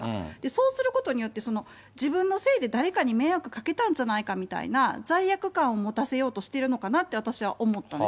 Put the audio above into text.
そうすることによって、自分のせいで誰かに迷惑かけたんじゃないかみたいな、罪悪感を持たせようとしてるのかなと、逆にね。